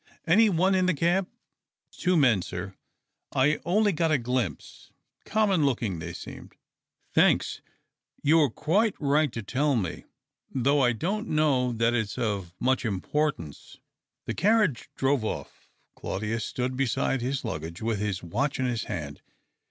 " Any one in the cab ?"" Two men, sir. I only got a glimpse. Common looking they seemed." " Thanks. You were quite right to tell me, though I don't know that it's of much importance." The carriage drove off. Claudius stood beside his luggage with his watch in his hand.